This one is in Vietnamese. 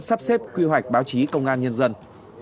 sắp xếp quy hoạch báo chí công an nhân dân